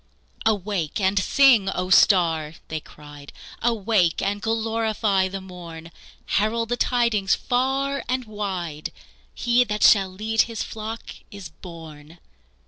"Awake and sing, O star!" they cried. "Awake and glorify the morn! Herald the tidings far and wide He that shall lead His flock is born!"